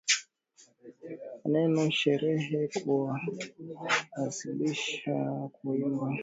maneno sherehe kuwashirikisha kuimba na kucheza katika nafasi ya ukeketaji Hata hivyo unabakia na